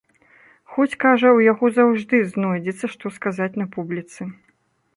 Хоць, кажа, у яго заўжды знойдзецца, што сказаць на публіцы.